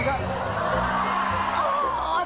ข้าวผัก